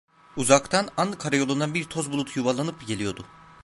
Uzaktan, Ankara yolundan bir toz bulutu yuvarlanıp geliyordu.